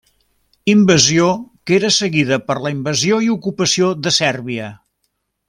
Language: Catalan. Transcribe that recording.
Invasió que era seguida per la invasió i ocupació de Sèrbia.